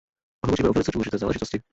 Hovoříme o velice důležité záležitosti.